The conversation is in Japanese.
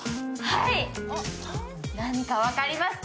何か分かりますか？